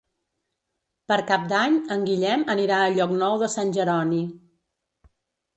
Per Cap d'Any en Guillem anirà a Llocnou de Sant Jeroni.